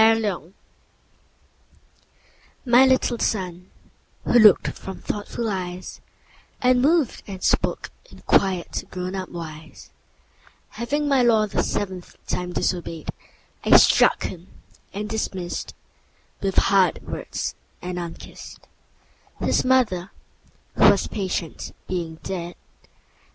The Toys MY little Son, who look'd from thoughtful eyes And moved and spoke in quiet grown up wise, Having my law the seventh time disobey'd, I struck him, and dismiss'd With hard words and unkiss'd, 5 —His Mother, who was patient, being dead.